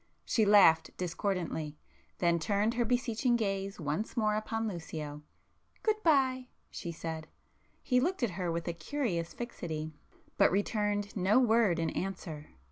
She laughed discordantly; then turned her beseeching gaze once more upon Lucio—"Good bye!" she said. He looked at her with a curious fixity, but returned no word in answer.